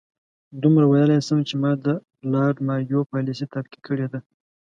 دومره ویلای شم چې ما د لارډ مایو پالیسي تعقیب کړې ده.